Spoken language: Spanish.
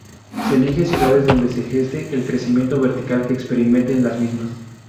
Se eligen ciudades donde se geste el crecimiento vertical que experimenten las mismas.